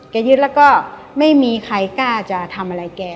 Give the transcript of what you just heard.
ยึดแล้วก็ไม่มีใครกล้าจะทำอะไรแก